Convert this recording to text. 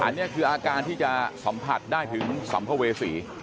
อันนี้คืออาการที่จะสัมผัสได้ถึงสัมภเวษี